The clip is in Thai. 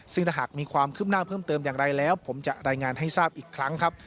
ซึ่งถ้าหากมีความคืบหน้าเพิ่มเติมอย่างไรแล้วผมจะรายงานให้ทราบอีกครั้งครับ